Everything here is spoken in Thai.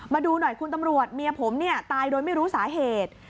มาดูหน่อยคุณตำรวจเมียผมเนี่ยตายโดยไม่รู้สาเหตุ